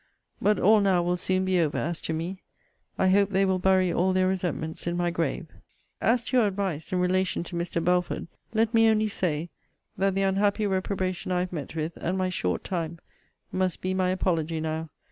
But all now will soon be over, as to me. I hope they will bury all their resentments in my grave. As to your advice, in relation to Mr. Belford, let me only say, that the unhappy reprobation I have met with, and my short time, must be my apology now.